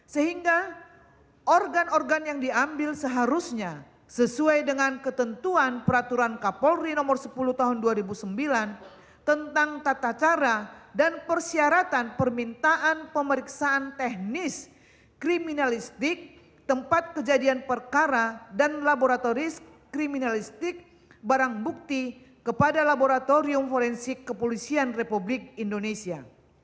sehingga organ organ yang diambil seharusnya sesuai dengan ketentuan peraturan kapolri nomor sepuluh tahun dua ribu sembilan tentang tata cara dan persyaratan permintaan pemeriksaan teknis kriminalistik tempat kejadian perkara dan laboratoris kriminalistik barang bukti kepada laboratorium forensik kepolisian republik indonesia